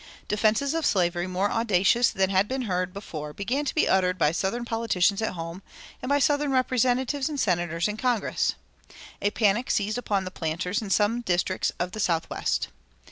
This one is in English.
Defenses of slavery more audacious than had been heard before began to be uttered by southern politicians at home and by southern representatives and senators in Congress. A panic seized upon the planters in some districts of the Southwest.